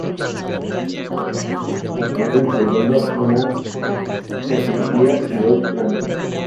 Fue reconstruido, incluyendo una sacristía y dos plantas.